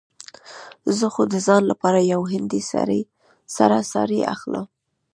زه خو د ځان لپاره يوه هندۍ سره ساړي هم اخلم.